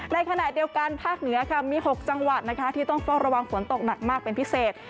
ในขณะเดียวกันภาคเหนือค่ะมี๖จังหวัดนะคะที่ต้องเฝ้าระวังฝนตกหนักมากเป็นพิเศษ